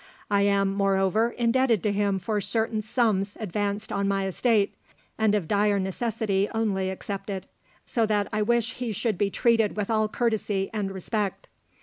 I am, moreover, indebted to him for certain sums advanced on my estate, and of dire necessity only accepted; so that I wish he should be treated with all courtesy and respect.